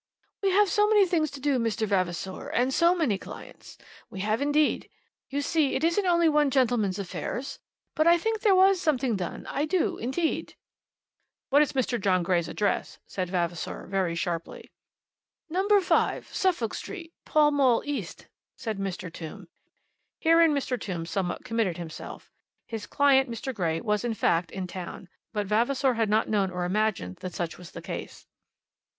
"We have so many things to do, Mr. Vavasor; and so many clients. We have, indeed. You see, it isn't only one gentleman's affairs. But I think there was something done. I do, indeed." "What is Mr. John Grey's address?" asked Vavasor, very sharply. "Number 5, Suffolk Street, Pall Mall East," said Mr. Tombe. Herein Mr. Tombe somewhat committed himself. His client, Mr. Grey, was, in fact, in town, but Vavasor had not known or imagined that such was the case.